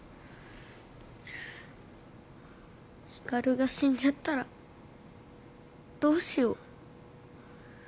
光が死んじゃったらどうしよう。